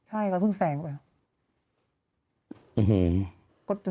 ใช่เราเพิ่งแสงกว่า